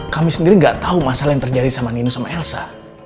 kami sendiri gak tahu masalah yang terjadi sama nino sama elsa